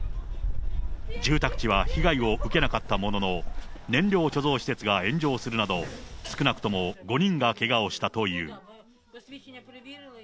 住宅地は被害を受けなかったものの、燃料貯蔵施設が炎上するなど、少なくとも５人がけがをしたという。